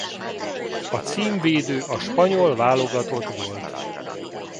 A címvédő a spanyol válogatott volt.